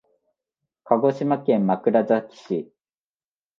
鹿児島県枕崎市